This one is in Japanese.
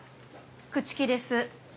朽木です。